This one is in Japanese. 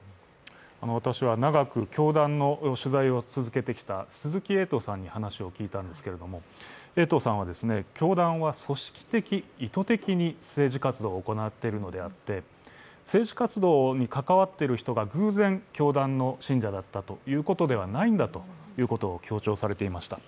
私は長く、教団の取材を続けてきた鈴木エイトさんに話を聞いたんですけれども、エイトさんは、教団は組織的、意図的に政治活動を行っているのであって政治活動に関わっている人が偶然教団の信者だったということではないんだということを強調されていました。